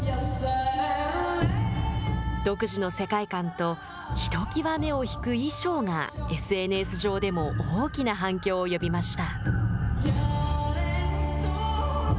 独自の世界観とひときわ目を引く衣装がＳＮＳ上でも大きな反響を呼びました。